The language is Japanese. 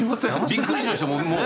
びっくりしました僕も。